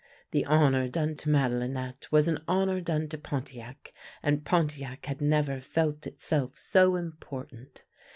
The honour done to Madelinette was an honour done to Pontiac; and Pontiac had never felt itself so important.